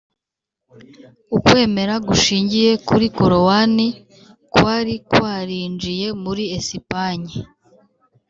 ukwemera gushingiye kuri korowani kwari kwarinjiye muri esipanye